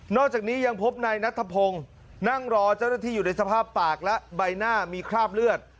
จากนี้ยังพบนายนัทพงศ์นั่งรอเจ้าหน้าที่อยู่ในสภาพปากและใบหน้ามีคราบเลือด